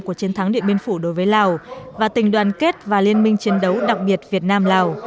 của chiến thắng điện biên phủ đối với lào và tình đoàn kết và liên minh chiến đấu đặc biệt việt nam lào